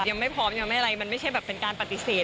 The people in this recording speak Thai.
ยังไม่พร้อมยังไม่อะไรมันไม่ใช่แบบเป็นการปฏิเสธ